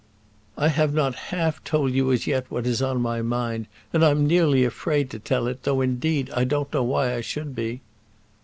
"I have not half told you as yet what is on my mind; and I'm nearly afraid to tell it; though, indeed, I don't know why I should be."